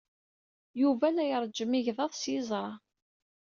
Yuba la iṛejjem igḍaḍ s yeẓra.